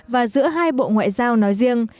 và giữa hai bộ ngoại giao nói riêng